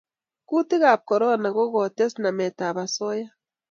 Kutikab korona ko kokotes namet ab asoya